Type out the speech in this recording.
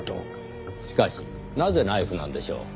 しかしなぜナイフなんでしょう？